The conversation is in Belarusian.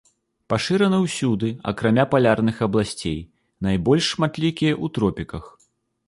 Пашыраны ўсюды, акрамя палярных абласцей, найбольш шматлікія ў тропіках.